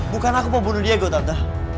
bukan aku mau bunuh dia gue tata